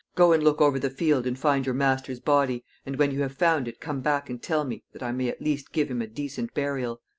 Go and look over the field, and find your master's body, and when you have found it come back and tell me, that I may at least give him a decent burial."